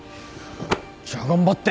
じゃあ頑張って！